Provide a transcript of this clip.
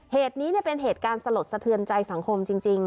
เหตุนี้เป็นเหตุการณ์สลดสะเทือนใจสังคมจริง